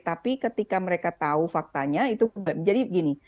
tapi ketika mereka tahu faktanya itu jadi begini